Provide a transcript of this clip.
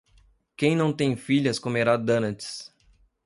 Quem não tem filhas comerá donuts.